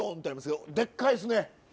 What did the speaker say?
でっかいっすね。